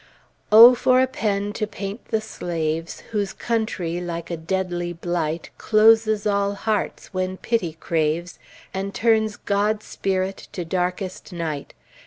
O for a pen to paint the slaves Whose "country" like a deadly blight Closes all hearts when Pity craves And turns God's spirit to darkest night!